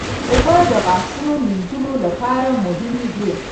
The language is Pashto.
اوبه د غاښونو مینځلو لپاره مهمې دي.